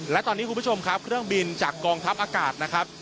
และตอนนี้คุณผู้ชมครับเครื่องบินจากกองทัพอากาศนะครับ